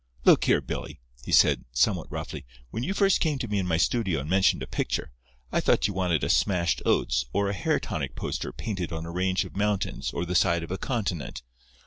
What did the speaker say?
"Look here, Billy," he said, somewhat roughly, "when you first came to me in my studio and mentioned a picture, I thought you wanted a Smashed Oats or a Hair Tonic poster painted on a range of mountains or the side of a continent.